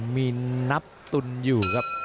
มีนับตุนอยู่ครับ